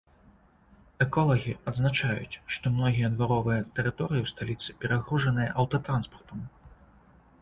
Эколагі адзначаюць, што многія дваровыя тэрыторыі ў сталіцы перагружаныя аўтатранспартам.